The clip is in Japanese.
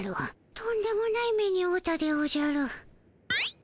とんでもない目におうたでおじゃる。